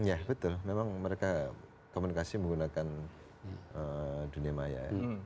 ya betul memang mereka komunikasi menggunakan dunia maya ya